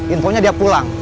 infonya dia pulang